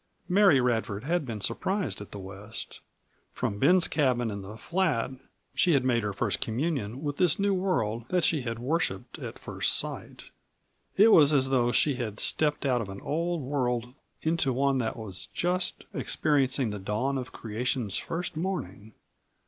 Mary Radford had been surprised at the West. From Ben's cabin in the flat she had made her first communion with this new world that she had worshipped at first sight. It was as though she had stepped out of an old world into one that was just experiencing the dawn of creation's first morning.